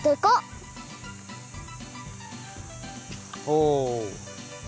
お。